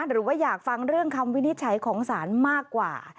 หรือว่าอยากฟังเรื่องคำวินิจฉัยของศาลมากกว่า